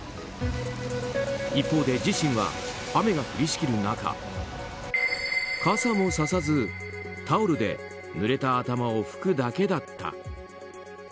一方で自身は雨が降りしきる中傘もささず、タオルで濡れた頭を拭くだけだった。